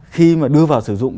khi mà đưa vào sử dụng